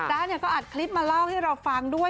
๊ะก็อัดคลิปมาเล่าให้เราฟังด้วย